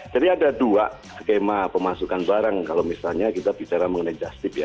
jadi ada dua skema pemasukan barang kalau misalnya kita bicara mengenai jastip ya